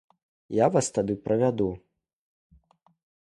Я вас тады правяду.